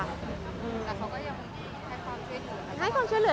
แต่เขาก็ยังให้ความช่วยเหลือ